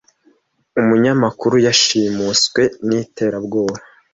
Umunyamakuru yashimuswe n’iterabwoba.